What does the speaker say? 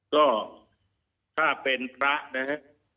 ก็ถ้าเป็นพระนะฮะ